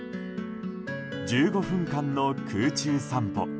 １５分間の空中散歩。